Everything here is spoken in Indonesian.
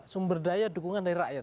sumber daya dukungan dari rakyat